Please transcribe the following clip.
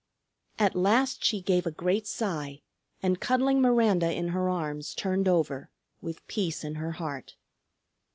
At last she gave a great sigh, and cuddling Miranda in her arms turned over, with peace in her heart.